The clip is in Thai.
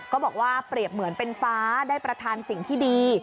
ก็บอกว่าเปรียบเหมือนเป็นฟ้าได้ประธานสิ่งที่ดี